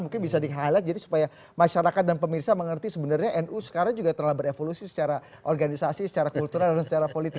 mungkin bisa di highlight jadi supaya masyarakat dan pemirsa mengerti sebenarnya nu sekarang juga telah berevolusi secara organisasi secara kultural dan secara politik